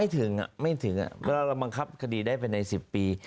ไม่ถึงไม่ถึงเพราะเราบังคับคดีได้ไปใน๑๐ปี